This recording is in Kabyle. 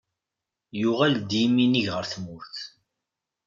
Yuɣal-d yiminig ɣer tmurt.